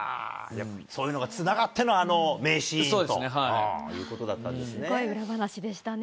そういうのがつながっての、あの名シーンということだったんすごい裏話でしたね。